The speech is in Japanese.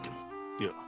いや。